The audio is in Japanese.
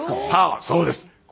さあそうです。